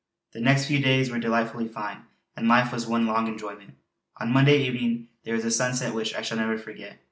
_" The next few days were delightfully fine, and life was one long enjoyment. On Monday evening there was a sunset which I shall never forget.